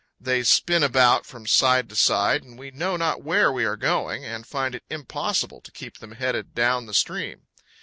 They spin about from side to side and we know not where we are going, and find it impossible to keep them headed down the stream.